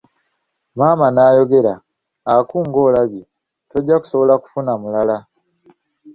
Maama n'ayongerako, Aku ngo'labye, tojja kusobola kufuna mulala.